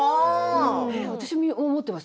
私も思ってます。